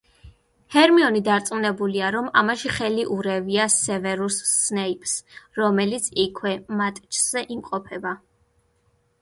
ჰერმიონი დარწმუნებულია, რომ ამაში ხელი ურევია სევერუს სნეიპს, რომელიც იქვე, მატჩზე იმყოფება.